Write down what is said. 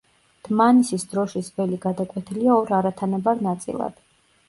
დმანისის დროშის ველი გადაკვეთილია ორ არათანაბარ ნაწილად.